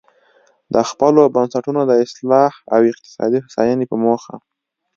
د خپلو بنسټونو د اصلاح او اقتصادي هوساینې په موخه.